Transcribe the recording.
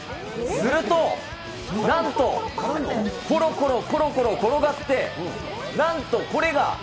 すると、なんと、ころころころころ転がって、なんと、これが！